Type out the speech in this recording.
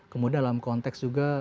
kemudian dalam konteks juga